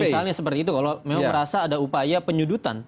misalnya seperti itu kalau memang merasa ada upaya penyudutan